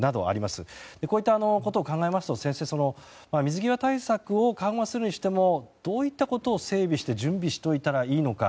こういったことを考えますと水際対策を緩和するにしてもどういったことを整備して準備しておいたらいいのか。